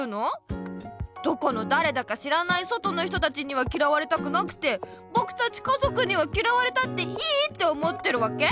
どこのだれだか知らない外の人たちにはきらわれたくなくてぼくたち家族にはきらわれたっていいって思ってるわけ？